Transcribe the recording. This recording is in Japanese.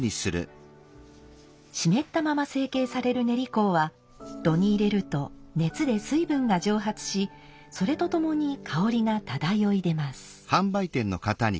湿ったまま成形される練香は炉に入れると熱で水分が蒸発しそれとともに香りが漂い出ます。